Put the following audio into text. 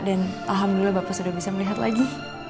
dan alhamdulillah bapak sudah bisa melihat lagi